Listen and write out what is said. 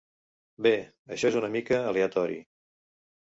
Bé, això és una mica aleatori!